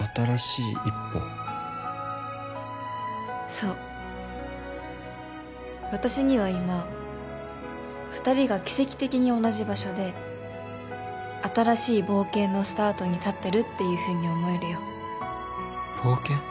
そう私には今２人が奇跡的に同じ場所で新しい冒険のスタートに立ってるっていうふうに思えるよ冒険？